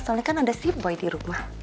soalnya kan ada si boy di rumah